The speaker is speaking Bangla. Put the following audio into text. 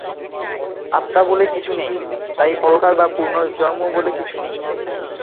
আত্মা বলে কিছু নেই; তাই পরকাল বা পুনর্জন্ম বলেও কিছু নেই।